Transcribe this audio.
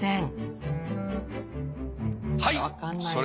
はい。